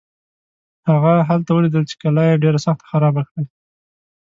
هغه هلته ولیدل چې قلا یې ډېره سخته خرابه کړې.